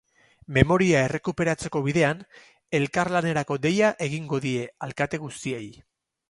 Memoria errekuperatzeko bidean, elkarlanerako deia egingo die alkate guztiei.